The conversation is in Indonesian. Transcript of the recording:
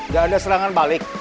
gak ada serangan balik